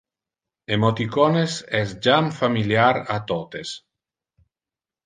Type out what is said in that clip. Emoticones es jam familiar a totes.